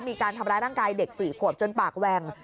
มีการทำร้ายร่างกายเด็ก๔ขวบจนปากแหว่ง